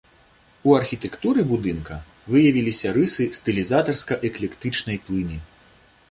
У архітэктуры будынка выявіліся рысы стылізатарска-эклектычнай плыні.